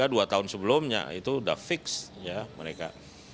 dua tahun sebelumnya itu sudah fix ya mereka